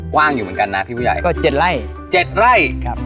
กว้างอยู่เหมือนกันนะพี่ผู้ใหญ่ก็เจ็ดไร่เจ็ดไร่ครับ